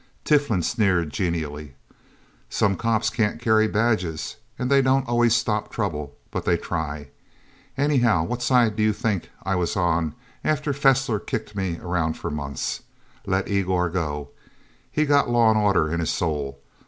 Tiflin sneered genially. "Some cops can't carry badges. And they don't always stop trouble, but they try... Anyhow, what side do you think I was on, after Fessler kicked me around for months...? Let Igor go. He's got law and order in his soul.